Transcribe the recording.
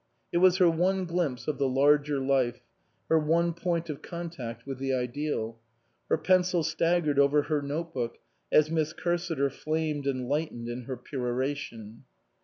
It was her one glimpse of the larger life; her one point of contact with the ideal. Her pencil staggered over her note book as Miss Cursiter flamed and lightened in her peroration.